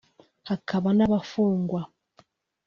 hakaba n’abafungwa